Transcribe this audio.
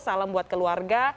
salam buat keluarga